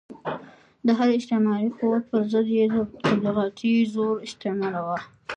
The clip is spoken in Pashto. د هر استعماري قوت پر ضد یې تبلیغاتي زور استعمالاوه.